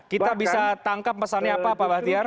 kita bisa tangkap pesannya apa pak bahtiar